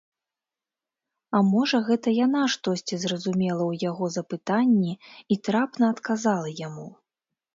А можа гэта яна штосьці зразумела ў яго запытанні і трапна адказала яму.